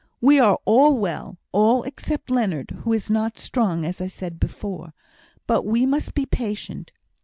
We are all well; all except Leonard, who is not strong, as I said before. But we must be patient.